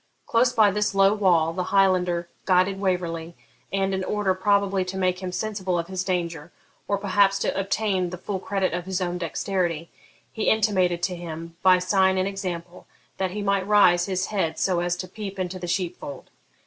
Close by this low wall the Highlander guided Waverley, and, in order probably to make him sensible of his danger, or perhaps to obtain the full credit of his own dexterity, he intimated to him, by sign and example, that he might raise his head so as to peep into the sheep fold.